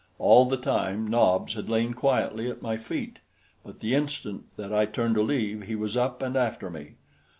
All the time Nobs had lain quietly at my feet; but the instant that I turned to leave, he was up and after me.